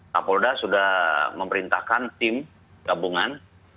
pak polda sudah memerintahkan tim gabungan